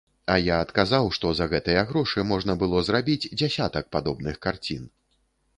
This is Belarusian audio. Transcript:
А я адказаў, што за гэтыя грошы можна было зрабіць дзясятак падобных карцін.